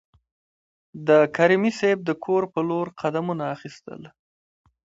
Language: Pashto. د کریمي صیب د کور په لور قدمونه اخیستل.